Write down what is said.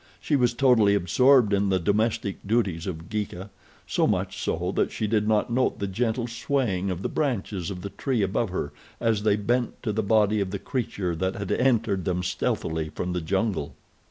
She was totally absorbed in the domestic duties of Geeka—so much so that she did not note the gentle swaying of the branches of the tree above her as they bent to the body of the creature that had entered them stealthily from the jungle.